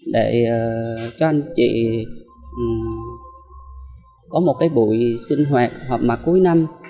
để cho anh chị có một cái buổi sinh hoạt họp mặt cuối năm